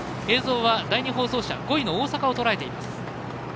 映像は第２放送車５位の大阪をとらえています。